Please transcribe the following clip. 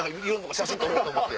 写真撮ろうと思って。